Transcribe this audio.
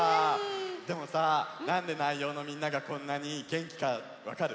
でもさなんで南陽のみんながこんなにげんきかわかる？